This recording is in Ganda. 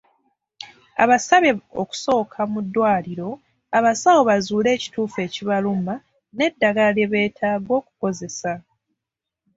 Abasabye okusooka mu ddwaliro abasawo bazuule ekituufu ekibaluma n’eddagala lye beetaaga okukozesa.